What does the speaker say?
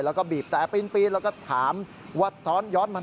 แล้วก็บีบแต่ปีนแล้วก็ถามว่าซ้อนย้อนมา